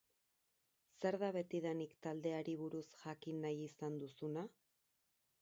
Zer da betidanik taldeari buruz jakin nahi izan duzuna?